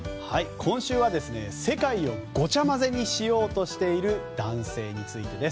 今週は世界をごちゃまぜにしようとしている男性について。